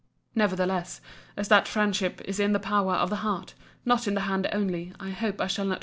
Nevertheless, as that friendship is in the power of the heart, not of the hand only, I hope I shall not forfeit that.